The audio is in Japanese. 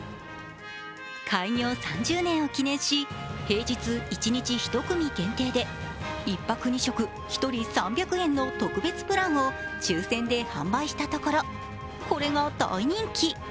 開業３０年を記念し、平日一日１組限定で１泊２食、１人３００円の特別プランを抽選で販売したところ、これが大人気。